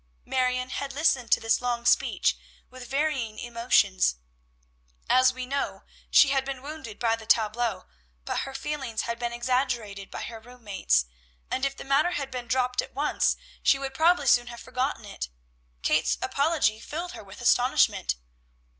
Marion had listened to this long speech with varying emotions. As we know, she had been wounded by the tableaux, but her feelings had been exaggerated by her room mates, and if the matter had been dropped at once she would probably soon have forgotten it. Kate's apology filled her with astonishment.